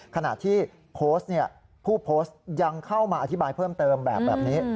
ขณะที่โพสต์ผู้โพสต์ยังเข้ามาอธิบายเพิ่มเติมแบบนี้